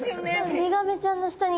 ウミガメちゃんの下に。